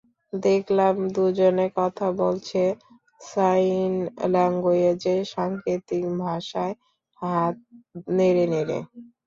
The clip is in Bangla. দেখলাম, দুজনে কথা বলছে, সাইন ল্যাঙ্গুয়েজে, সাংকেতিক ভাষায়, হাত নেড়ে নেড়ে।